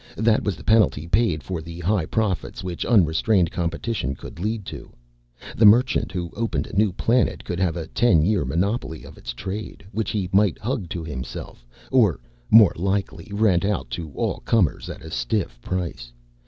That was the penalty paid for the high profits which unrestrained competition could lead to. The Merchant who opened a new planet could have a ten year monopoly of its trade, which he might hug to himself or, more likely, rent out to all comers at a stiff price.